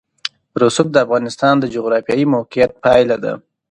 رسوب د افغانستان د جغرافیایي موقیعت پایله ده.